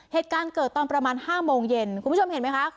เหตุการณ์เกิดตอนประมาณ๕โมงเย็นคุณผู้ชมเห็นไหมคะ